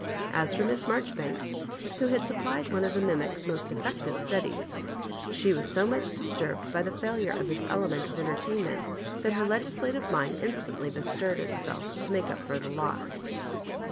As for Miss Maijoribanks, who had supplied one of the mi mic's most effective studies, she was so much disturbed by the feilure of this element of enter tainment that her legislative mind instantly bestirred itself to make up for the loss.